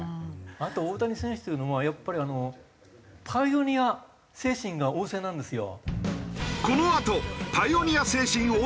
あと大谷選手っていうのはやっぱりあのパイオニア精神が旺盛なんですよ。